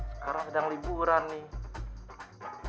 sekarang sedang liburan nih